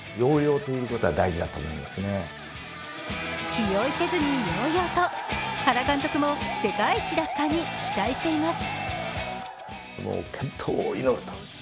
気負いせずに揚々と、原監督も世界一奪還に期待しています。